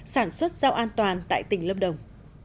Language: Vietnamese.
sản xuất giao an toàn tại tỉnh lâm đồng